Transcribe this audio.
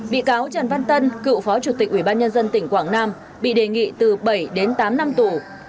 bị cáo trần văn tân cựu phó chủ tịch ủy ban nhân dân tỉnh quảng nam bị đề nghị từ bảy đến tám năm tù